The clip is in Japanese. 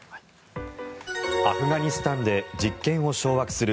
アフガニスタンで実権を掌握する